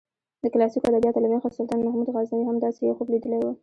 د کلاسیکو ادبیاتو له مخې سلطان محمود غزنوي هم داسې یو خوب لیدلی و.